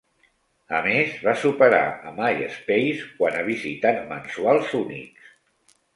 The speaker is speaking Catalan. A més va superar a MySpace quant a visitants mensuals únics.